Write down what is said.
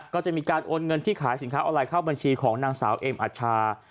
ก็จะมีการโอนเงินที่ขายสินค้าออนไลน์เข้าบัญชีของนางสาวเอ็มอัชชา